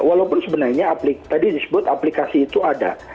walaupun sebenarnya aplikasi itu ada